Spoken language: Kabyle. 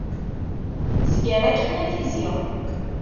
Zger akkin i tizi.